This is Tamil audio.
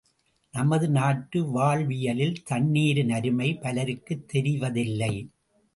நமது நாட்டு வாழ்வியலில் தண்ணீரின் அருமை பலருக்குத் தெரிவதில்லை.